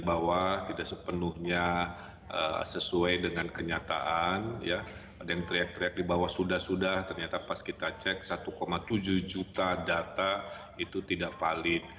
bahwa tidak sepenuhnya sesuai dengan kenyataan ada yang teriak teriak di bawah sudah sudah ternyata pas kita cek satu tujuh juta data itu tidak valid